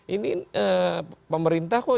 ini pemerintah kok